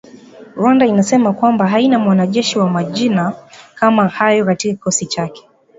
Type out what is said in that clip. Rwanda inasema kwamba haina mwanajeshi na majina kama hayo katika kikosi chake